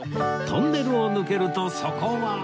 トンネルを抜けるとそこは